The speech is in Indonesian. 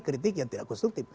kritik yang tidak konstruktif